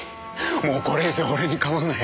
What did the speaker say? もうこれ以上俺に構うなよ。